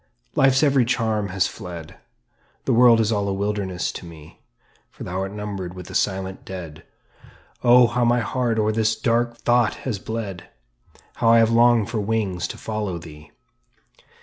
Life's every charm has fled, The world is all a wilderness to me; "For thou art numbered with the silent dead." Oh, how my heart o'er this dark thought has bled! How I have longed for wings to follow thee!